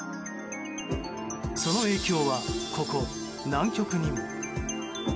その影響は、ここ南極にも。